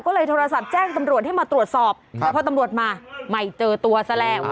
ก็เลยโทรศัพท์แจ้งตำรวจให้มาตรวจสอบแต่พอตำรวจมาไม่เจอตัวซะแล้ว